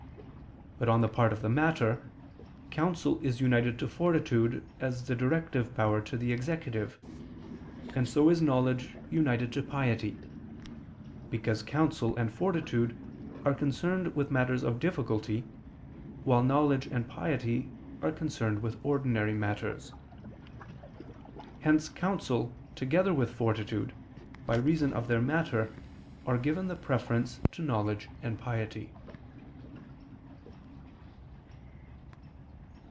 But on the part of the matter, counsel is united to fortitude as the directive power to the executive, and so is knowledge united to piety: because counsel and fortitude are concerned with matters of difficulty, while knowledge and piety are concerned with ordinary matters. Hence counsel together with fortitude, by reason of their matter, are given the preference to knowledge and piety.